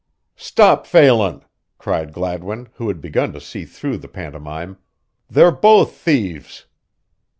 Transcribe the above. "Stop Phelan!" cried Gladwin, who had begun to see through the pantomime. "They're both thieves!"